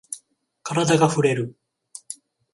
カラダがふれる。